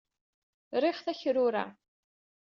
Riɣ takrura.